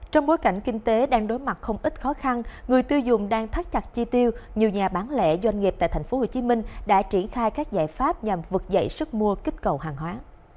trong bối cảnh kinh tế đang đối mặt không ít khó khăn người tiêu dùng đang thắt chặt chi tiêu nhiều nhà bán lẻ doanh nghiệp tại tp hcm đã triển khai các giải pháp nhằm vực dậy sức mua kích cầu hàng hóa